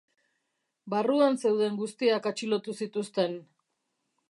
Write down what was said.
Barruan zeuden guztiak atxilotu zituzten.